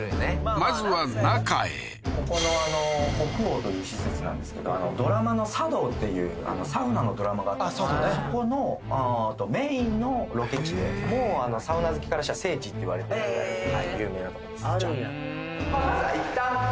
まずは中へここの北欧という施設なんですけどドラマのサ道っていうサウナのドラマがあったんですけどそこのメインのロケ地でもうサウナ好きからしたら聖地っていわれてるぐらい有名なとこです